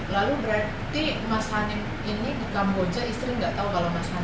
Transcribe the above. lalu berarti mas hani ini ke kamboja istri tidak tahu kalau mas hani itu